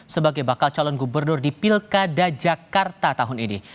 sebagai bakal calon gubernur di pilkada jakarta tahun ini